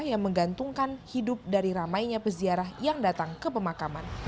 yang menggantungkan hidup dari ramainya peziarah yang datang ke pemakaman